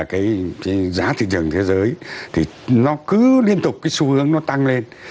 cái giá thị trường thế giới thì nó cứ liên tục cái xu hướng nó tăng lên